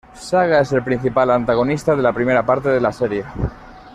Saga es el principal antagonista de la primera parte de la serie.